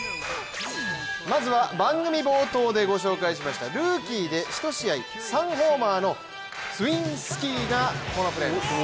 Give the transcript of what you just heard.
まずは番組冒頭でご紹介しましたルーキーで１試合３ホーマーのスウィンスキーがこのプレーです。